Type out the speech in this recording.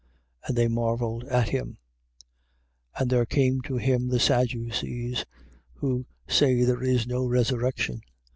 And they marvelled at him. 12:18. And there came to him the Sadducees, who say there is no resurrection.